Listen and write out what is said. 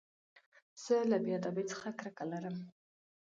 زه له بېادبۍ څخه کرکه لرم.